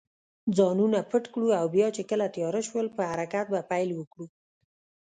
ځانونه پټ کړو او بیا چې کله تېاره شول، په حرکت به پیل وکړو.